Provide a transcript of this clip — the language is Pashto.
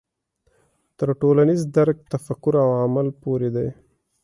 تر ټولنیز درک تفکر او عمل پورې دی.